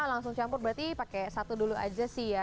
langsung campur berarti pakai satu dulu aja sih ya